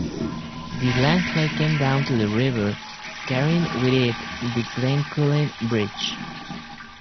The landslide came down the river carrying with it the Glencullen Bridge.